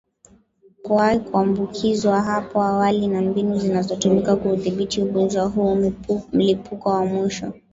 kuwahi kuambukizwa hapo awali na mbinu zinazotumika kuudhibiti ugonjwa huu Mlipuko wa mwisho